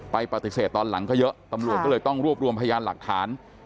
ปฏิเสธตอนหลังก็เยอะตำรวจก็เลยต้องรวบรวมพยานหลักฐาน